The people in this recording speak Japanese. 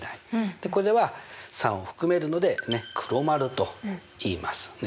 これは３を含めるので黒丸といいますね。